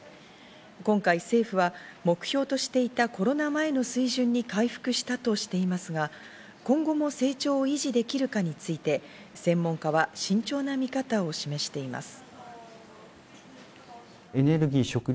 今回政府は目標としていたコロナ前の水準を回復したとしていますが、今後も成長を維持できるかについて、専門家は慎重な見方を示しています。